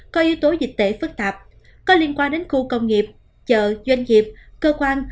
có yếu tố dịch tễ phức tạp có liên quan đến khu công nghiệp chợ doanh nghiệp cơ quan